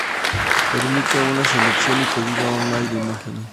Permite aún la selección y pedido online de imágenes.